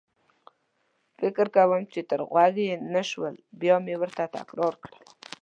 فکر کوم چې تر غوږ يې نه شول، بیا مې ورته تکرار کړل.